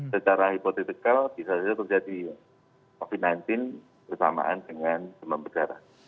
secara hipotetikal bisa saja terjadi covid sembilan belas bersamaan dengan demam berdarah